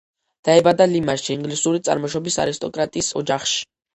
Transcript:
დაიბადა ლიმაში ინგლისური წარმოშობის არისტოკრატის ოჯახში.